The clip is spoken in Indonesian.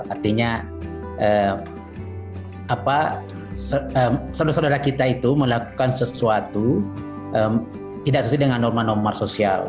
artinya saudara saudara kita itu melakukan sesuatu tidak sesuai dengan norma norma sosial